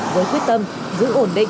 với quyết tâm giữ ổn định